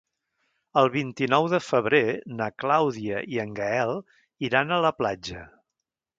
El vint-i-nou de febrer na Clàudia i en Gaël iran a la platja.